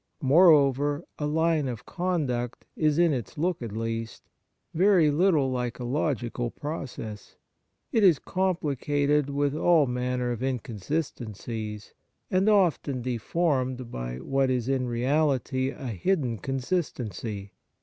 Moreover, a line of conduct is, in its look at least, very little like a logical process. It is complicated with all manner of inconsistencies, and often deformed by what is in reality a hidden consistency.